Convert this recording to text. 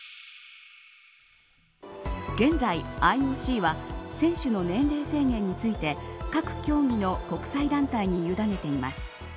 現在、ＩＯＣは選手の年齢制限について各競技の国際団体にゆだねています。